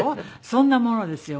そんなものですよ。